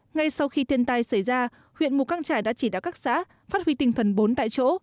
ngay sau khi thiên tai xảy ra huyện mù căng trải đã chỉ đạo các xã phát huy tinh thần bốn tại chỗ